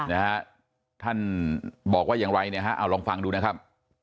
นะฮะท่านบอกว่าอย่างไรเนี่ยฮะเอาลองฟังดูนะครับ